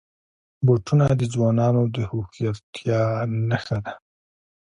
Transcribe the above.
بوټونه د ځوانانو د هوښیارتیا نښه ده.